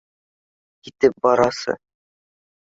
Китеп барасы